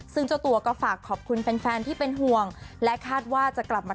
ซึ่งเจ้าตัวก็ฝากขอบคุณแฟนแฟนที่เป็นห่วงและคาดว่าจะกลับมา